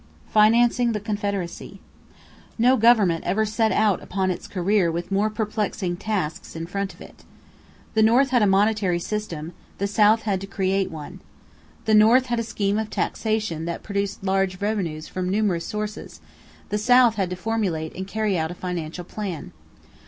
=Financing the Confederacy.= No government ever set out upon its career with more perplexing tasks in front of it. The North had a monetary system; the South had to create one. The North had a scheme of taxation that produced large revenues from numerous sources; the South had to formulate and carry out a financial plan.